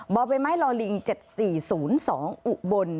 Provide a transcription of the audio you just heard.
บ่อใบไม้ลอลิง๗๔๐๒อุบล